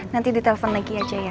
nanti di telpon lagi aja ya